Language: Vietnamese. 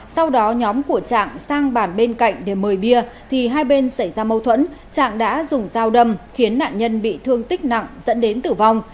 sau đó nhóm của trạng sang bàn bên cạnh để mời bia thì hai bên xảy ra mâu thuẫn trạng đã dùng dao đâm khiến nạn nhân bị thương tích nặng dẫn đến tử vong